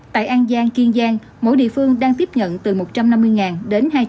tại an giang kiên giang mỗi địa phương đang tiếp nhận từ một trăm năm mươi đến hai trăm linh